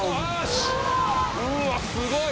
うわっすごい！